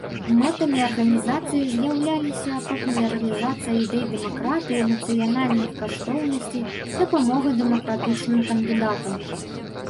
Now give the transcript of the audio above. Мэтамі арганізацыі з'яўляліся папулярызацыя ідэй дэмакратыі, нацыянальных каштоўнасцей, дапамога дэмакратычным кандыдатам.